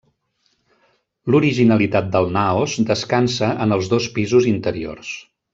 L'originalitat del naos descansa en els dos pisos interiors.